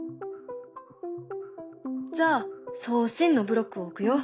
じゃあ「送信」のブロックを置くよ。